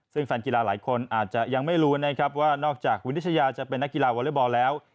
ซึ่งแฟนกีฬาหลายคนอาจจะยังไม่รู้นะครับว่านอกจากคุณนิชยาจะเป็นนักกีฬาวอเล็กบอลแล้ว